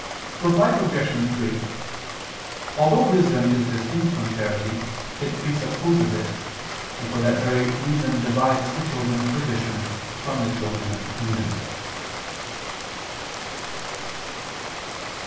Reply Obj. 3: Although wisdom is distinct from charity, it presupposes it, and for that very reason divides the children of perdition from the children of the kingdom.